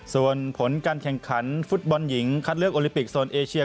ส่วนผลการแข่งขันฟุตบอลหญิงคัดเลือกโอลิปิกโซนเอเชีย